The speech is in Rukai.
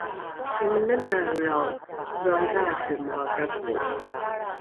pamenanaelrao dhoadhaace moa gako